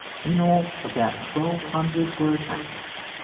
In all about twelve hundred were attacked.